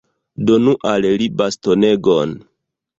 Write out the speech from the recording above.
Donu al li bastonegon.